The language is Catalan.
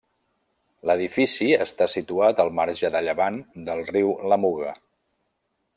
L'edifici està situat al marge de llevant del riu la Muga.